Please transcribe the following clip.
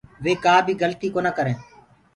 وي ڪآ بي گلتيٚ ڪونآ ڪرينٚ